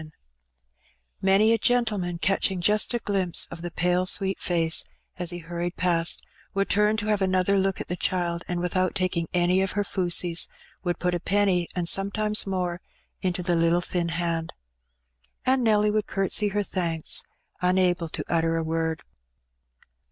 ^' Many a gentleman, catching just a glimpse of the pale sweet Ih which BeNST MAKEa A DiSCOVBET. 53 face as he hurried past, wonld tnm to have another look at the child, and without taking any of her fasees, would put a penny, and sometimes more, into the little thin hand. And Nelly wonld courtsey her thanks, unable to utter a word.